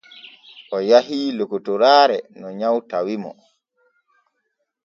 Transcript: O yahii lokotoraare no nyaw tawi mo.